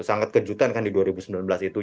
sangat kejutan kan di dua ribu sembilan belas itu